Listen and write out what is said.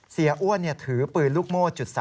เสียอ้วนเนี่ยถือปืนลูกโม้๐๓๘